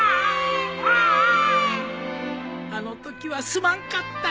あのときはすまんかった。